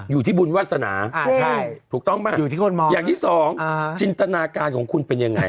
อยู่ที่บุญวาสนาถูกต้องป่ะอย่างที่สองจินตนาการของคุณเป็นยังไง